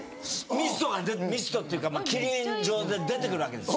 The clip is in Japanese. ミストがミストっていうか霧状で出てくるわけです。